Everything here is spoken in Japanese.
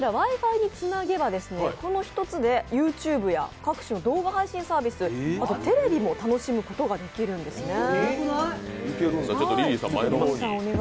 Ｗｉ−Ｆｉにつなげば、この１つでＹｏｕＴｕｂｅや各種動画配信サービス、テレビも楽しむことができるんです。